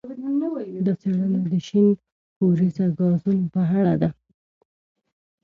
دا څېړنه د شین کوریزه ګازونو په اړه ده.